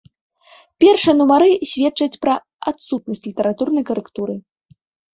Першыя нумары сведчаць пра адсутнасць літаратурнай карэктуры.